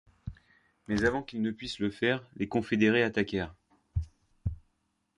Mais avant qu'il ne puisse le faire, les Confédérés attaquèrent.